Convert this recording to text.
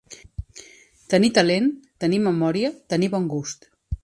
Tenir talent, tenir memòria, tenir bon gust.